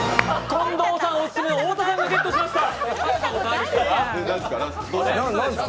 近藤さんのオススメ太田さんがゲットしました。